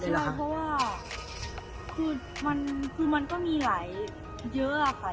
ใช่เพราะว่าคือมันก็มีหลายเยอะอะค่ะ